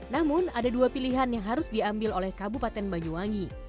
namun ada dua pilihan yang harus diambil oleh kabupaten banyuwangi